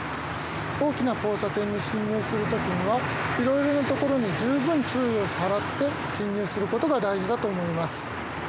大きな交差点に進入する時にはいろいろな所に十分注意を払って進入する事が大事だと思います。